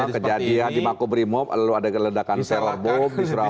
iya kejadian di makubrimob lalu ada keledakan terror bomb di surabaya